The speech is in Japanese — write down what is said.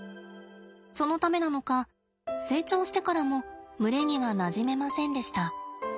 そのためなのか成長してからも群れにはなじめませんでした。